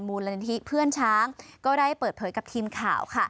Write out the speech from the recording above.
มูลนิธิเพื่อนช้างก็ได้เปิดเผยกับทีมข่าวค่ะ